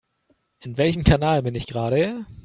In welchem Kanal bin ich gerade?